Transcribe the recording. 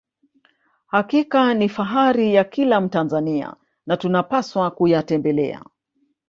hakika ni fahari ya kila mtanzania na tunapaswa kuyatembelea